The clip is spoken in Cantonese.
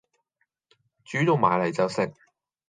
煮到埋嚟就食